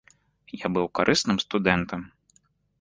Я быў карысным студэнтам.